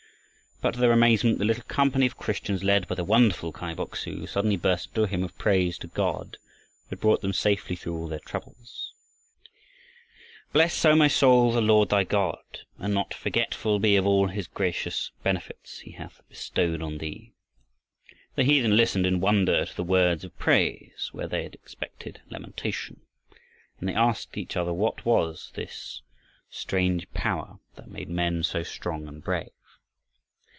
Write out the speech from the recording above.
But to their amazement the little company of Christians led by the wonderful Kai Bok su, suddenly burst into a hymn of praise to God who had brought them safely through all their troubles: Bless, O my soul, the Lord thy God, And not forgetful be Of all his gracious benefits He hath bestowed on thee! The heathen listened in wonder to the words of praise where they had expected lamentation, and they asked each other what was this strange power that made men so strong and brave.